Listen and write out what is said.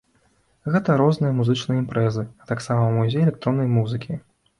Гэта розныя музычныя імпрэзы, а таксама музей электроннай музыкі.